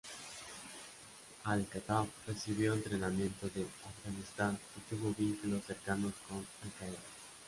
Al-Khattab recibió entrenamiento en Afganistán y tuvo vínculos cercanos con Al-Qaeda.